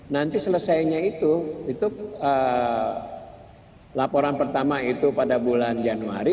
nanti selesainya itu laporan pertama itu pada bulan januari